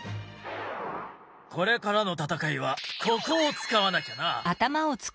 これからの戦いはここを使わなきゃな。